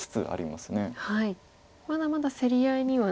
まだまだ競り合いには。